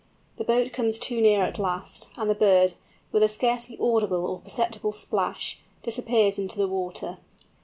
The boat comes too near at last, and the bird, with a scarcely audible or perceptible splash, disappears into the water.